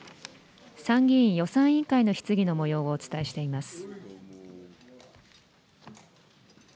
参議院予算委員会の質疑のもようをお伝えしています。